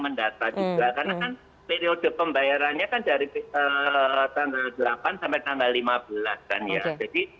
mendata juga karena kan periode pembayarannya kan dari tanggal delapan sampai tanggal lima belas kan ya jadi